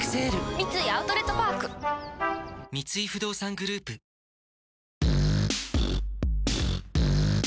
三井アウトレットパーク三井不動産グループあら！